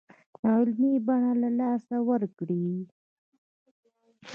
علمي بڼه له لاسه ورکړې.